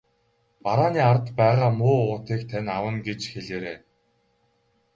Барааны ард байгаа муу уутыг тань авна гэж хэлээрэй.